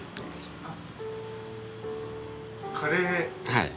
はい。